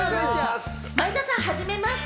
前田さん、初めまして。